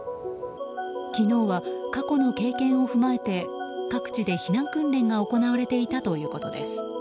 昨日は過去の経験を踏まえて各地で避難訓練が行われていたということです。